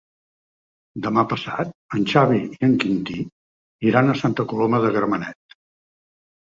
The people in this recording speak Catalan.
Demà passat en Xavi i en Quintí iran a Santa Coloma de Gramenet.